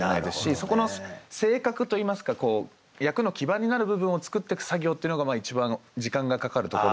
そこの性格といいますか役の基盤になる部分を作ってく作業っていうのが一番時間がかかるところなんですけど。